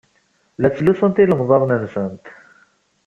La ttlusunt ilemḍaḍen-nsent.